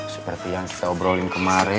seperti yang kita obrolin kemarin